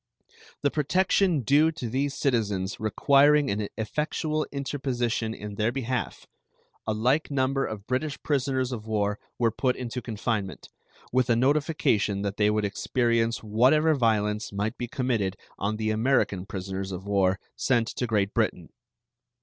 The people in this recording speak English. The protection due to these citizens requiring an effectual interposition in their behalf, a like number of British prisoners of war were put into confinement, with a notification that they would experience whatever violence might be committed on the American prisoners of war sent to Great Britain.